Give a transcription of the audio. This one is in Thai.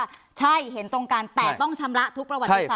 กำลังจะบอกว่าใช่เห็นตรงกันแต่ต้องชำระทุกประวัติศาสตร์